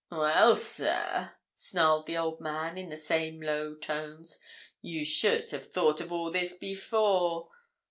'Well, sir,' snarled the old man, in the same low tones, 'you should have thought of all this before.